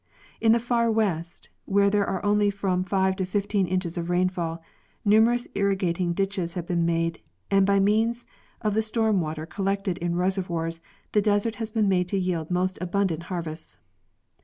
In the far west, where there are only from five to fifteen inches of rainfall, numerous irri eating ditches have been made, and by means of the storm water collected in reservoirs the desert has been made to yield most abundant harvests.